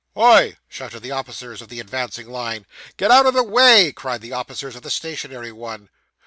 'Hoi!' shouted the officers of the advancing line. 'Get out of the way!' cried the officers of the stationary one.